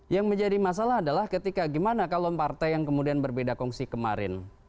yang menjadi masalah adalah ketika gimana kalau partai yang kemudian berbeda kongsi kemarin